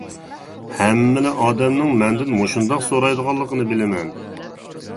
ھەممىلا ئادەمنىڭ مەندىن مۇشۇنداق سورايدىغانلىقىنى بىلىمەن.